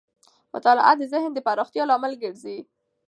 مطالعه د ذهن د پراختیا لامل ګرځي.